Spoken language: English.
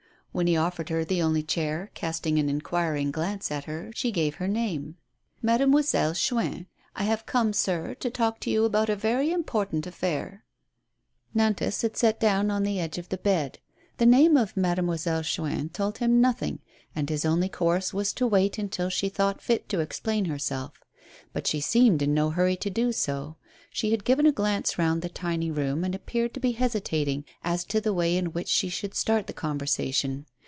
When he offered her the only chair, casting an inquiring glance at her, she gave her name: "Mademoiselle Chuin — I have come, sir, to talk to you about a very important affair." 72 A STARTLING PROPOSITION. Nantas had sat down on the edge of the bed. The name of Mademoiselle Chuin told him nothing, and his only course was to wait until she thought fit to explain her self. But she seemed in no hurry to do so; she had given a glance round the tiny room, and appeared to be hesitating as to the way in which she should start the conversation.